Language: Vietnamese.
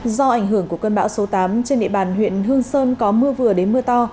do ảnh hưởng của cơn bão số tám trên địa bàn huyện hương sơn có mưa vừa đến mưa to